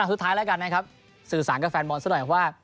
สุดท้ายแล้วกันนะครับสื่อสารกับแฟนบอลซะหน่อยว่า